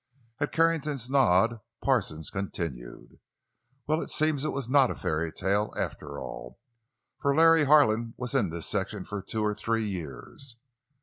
At Carrington's nod Parsons continued: "Well, it seems it was not a fairy tale, after all. For Larry Harlan was in his section for two or three years!"